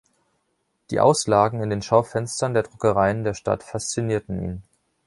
Die Auslagen in den Schaufenstern der Druckereien der Stadt faszinierten ihn.